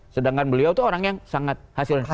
sedangkan beliau itu orang yang sangat hasil